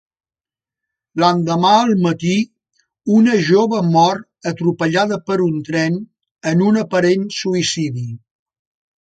L'endemà al matí, una jove mor atropellada per un tren en un aparent suïcidi.